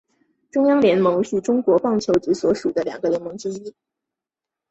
中央联盟是日本职棒所属的两个联盟之一。